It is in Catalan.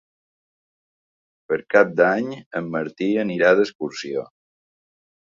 Per Cap d'Any en Martí anirà d'excursió.